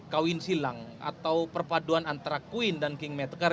kawin silang atau perpaduan antara queen dan king matter